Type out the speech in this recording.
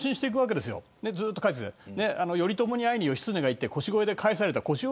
頼朝に会いに義経が行って腰越状で帰された。